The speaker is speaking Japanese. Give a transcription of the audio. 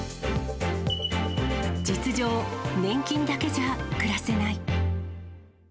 実情、年金だけじゃ暮らせない。